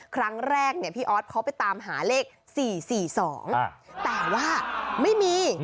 ครั้งแรกพี่ออสเขาไปตามหาเลข๔๔๒แต่ว่าไม่มี